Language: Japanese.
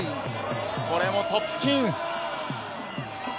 これもトップ付近。